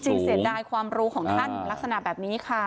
จริงเสียดายความรู้ของท่านแบบนี้ค่ะ